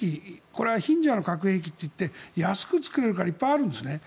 これは貧者の核兵器っていって安く作れるからいっぱいあるんですね。